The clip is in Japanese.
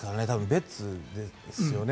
ベッツですよね。